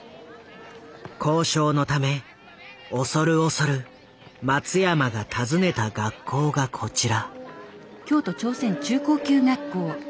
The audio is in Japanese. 交渉のため恐る恐る松山が訪ねた学校がこちら。